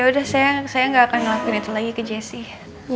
yaudah saya gak akan ngelakuin itu lagi ke jessy